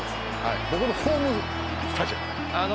僕のホームスタジアム。